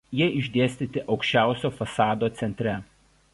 Jie išdėstyti aukščiausio fasado centre.